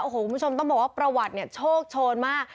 คุณผู้ชมต้องบอกว่าประวัติเนี่ยโชคโชนมาก